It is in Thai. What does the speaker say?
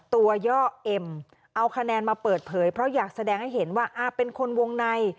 ย่อเอ็มเอาคะแนนมาเปิดเผยเพราะอยากแสดงให้เห็นว่าเป็นคนวงใน